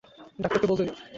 ডাক্তারকে বলতে দিন।